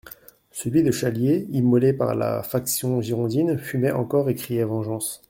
Celui de Chalier, immolé par la faction girondine, fumait encore et criait vengeance.